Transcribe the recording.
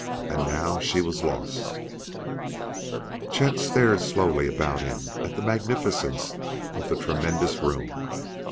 And now she was lost! Chet stared slowly about him at the magnificence of the tremendous room.